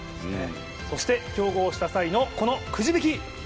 そして、競合した際のこのくじ引き。